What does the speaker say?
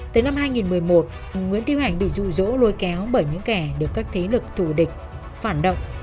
tới năm hai nghìn một mươi một nguyễn tiêu hạnh bị dụ dỗ lùi kéo bởi những kẻ được các thế lực thủ địch phản động